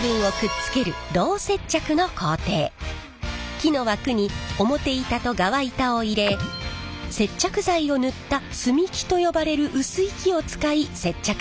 木の枠に表板と側板を入れ接着剤を塗った隅木と呼ばれる薄い木を使い接着します。